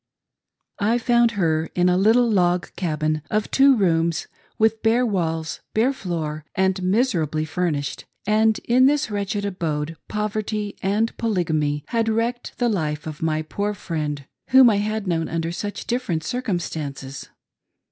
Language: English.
I found, her in a little log cabin of two rooms, with bare walls, bare floor, and miserably furnished ; and in this wretched abode Poverty and Polygamy had wrecked the life of my poor friend, whom I had known under such different circumstances.